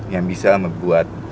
yang bisa membuat